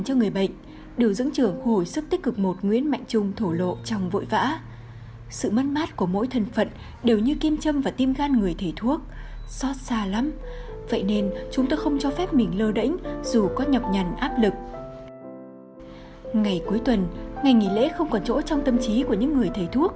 điều dưỡng trưởng nguyễn mạnh trung lại hối hả đi thăm hỏi động viên người đã có thể cất được tiếng nói